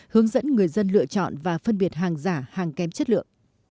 hướng dẫn người dân lựa chọn và phân biệt hàng giả hàng kém chất lượng